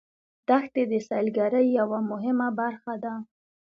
دښتې د سیلګرۍ یوه مهمه برخه ده.